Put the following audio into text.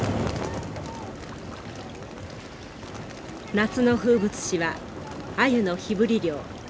夏の風物詩はアユの火ぶり漁。